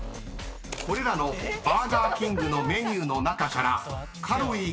［これらのバーガーキングのメニューの中から］